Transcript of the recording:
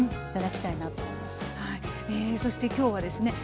そして今日はですね